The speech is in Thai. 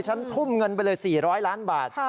ทุ่มเงินไปเลย๔๐๐ล้านบาท